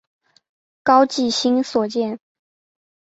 高季兴所建。